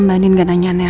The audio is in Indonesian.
lain kali ya pak